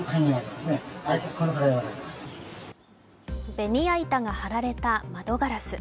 ベニヤ板が張られた窓ガラス。